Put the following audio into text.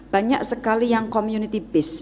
banyak sekali yang community based